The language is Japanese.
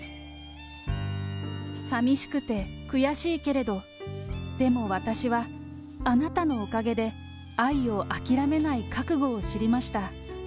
さみしくて、悔しいけれど、でも私はあなたのおかげで愛を諦めない覚悟を知りました。